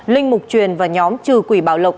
linh mục truyền và nhóm trừ quỷ bảo lộc